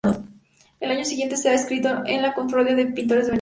Al año siguiente ya se ha inscrito en la cofradía de pintores veneciana.